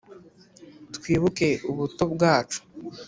twibuke ubuto bwacu